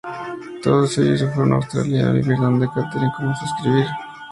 Todos ellos se fueron a Australia a vivir donde Katharine comenzó a escribir.